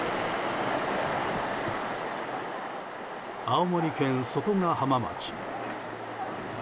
青森県外ヶ浜町。